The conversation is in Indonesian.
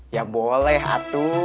ya boleh atu